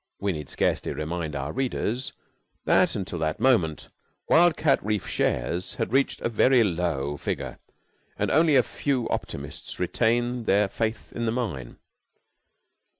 We need scarcely remind our readers that, until that moment, Wild cat Reef shares had reached a very low figure, and only a few optimists retained their faith in the mine.